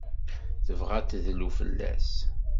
Tebɣa ad tedlu fell-as?